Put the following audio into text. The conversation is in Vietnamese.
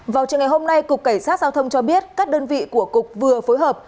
vào trường ngày hôm nay cục cảnh sát giao thông cho biết các đơn vị của cục vừa phối hợp